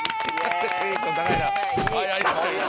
テンション高いな。